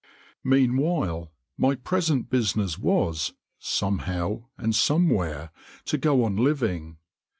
Meanwhile my present business was, somehow and somewhere, to go on living.